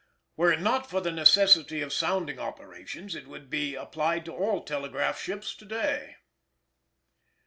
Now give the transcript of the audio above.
Were it not for the necessity of sounding operations, it would be applied to all telegraph ships to day.